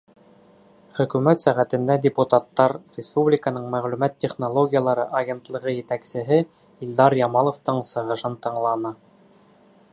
Хөкүмәт сәғәтендә депутаттар республиканың Мәғлүмәт технологиялары агентлығы етәксеһе Илдар Ямаловтың сығышын тыңланы.